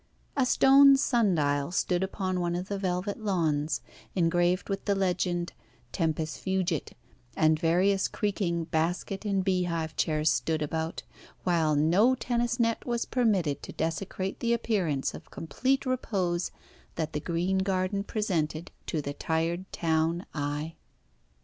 A stone sun dial stood upon one of the velvet lawns, engraved with the legend "Tempus fugit," and various creaking basket and beehive chairs stood about, while no tennis net was permitted to desecrate the appearance of complete repose that the green garden presented to the tired town eye.